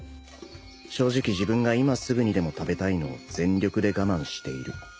正直自分が今すぐにでも食べたいのを全力で我慢している